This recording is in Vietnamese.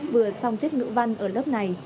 vừa xong tiết ngữ văn ở lớp này